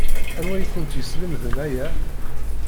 Anwa i kent-yeslemden aya?